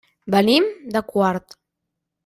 Venim de Quart.